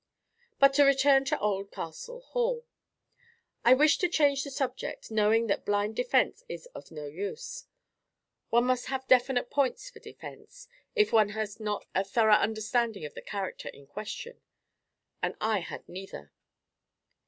But to return to Oldcastle Hall. I wished to change the subject, knowing that blind defence is of no use. One must have definite points for defence, if one has not a thorough understanding of the character in question; and I had neither.